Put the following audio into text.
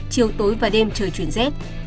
chiều tối và đêm trời chuyển rét